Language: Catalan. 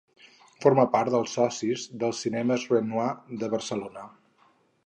Forma part dels socis dels cinemes Renoir de Barcelona.